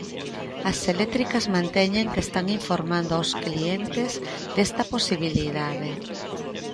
As eléctricas manteñen que están informando os clientes desta posibilidade.